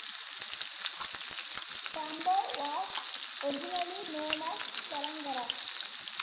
Tambo was originally known as Carrangarra.